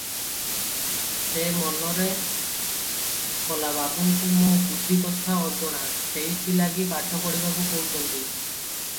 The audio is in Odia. ସେ ମନରେ କଲା, ବାବୁଙ୍କୁ ମୋ ବୁଦ୍ଧି କଥା ଅଜଣା, ସେଇଥି ଲାଗି ପାଠ ପଢ଼ିବାକୁ କହୁଛନ୍ତି ।